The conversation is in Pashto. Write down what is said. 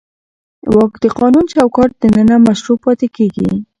واک د قانوني چوکاټ دننه مشروع پاتې کېږي.